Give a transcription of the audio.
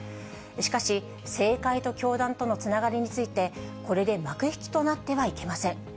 しかし、政界と教団とのつながりについて、これで幕引きとなってはいけません。